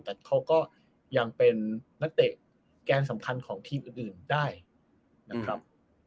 แต่เขาก็ยังเป็นนักเตะแกนสำคัญของทีมอื่นได้นะครับ